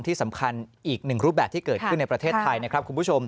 ที่สำคัญอีกหนึ่งรูปแบบที่เกิดขึ้นในประเทศไทย